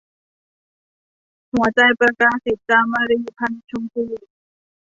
หัวใจประกาศิต - จามรี พรรณชมพู